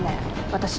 私。